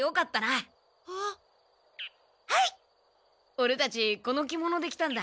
オレたちこの着物で来たんだ。